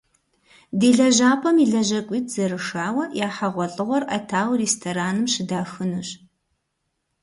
Ди лэжьапӏэм и лэжьакӏуитӏ зэрышауэ, я хьэгъуэлӏыгъуэр ӏэтауэ рестораным щыдахынущ.